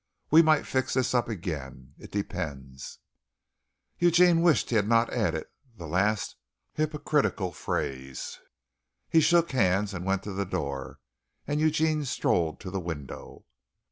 We might fix this up again it depends " Eugene wished he had not added the last hypocritical phrase. He shook hands and went to the door and Eugene strolled to the window.